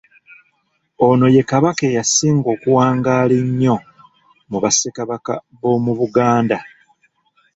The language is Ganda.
Ono ye Kabaka eyasinga okuwangaala ennyo mu Bassekabaka b'omu Buganda.